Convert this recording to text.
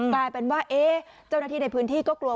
กลายเป็นว่าเจ้าหน้าที่ในพื้นที่ก็กลัว